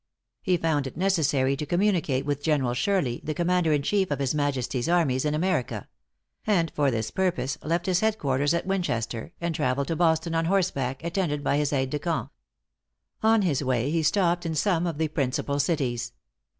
He found it necessary to communicate with General Shirley, the commander inchief of His Majesty's armies in America; and for this purpose left his head quarters at Winchester, and travelled to Boston on horse back, attended by his aids de camp. On his way, he stopped in some of the principal cities.